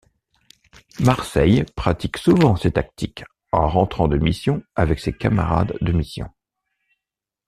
Marseille pratique souvent ces tactiques en rentrant de mission avec ses camarades de mission.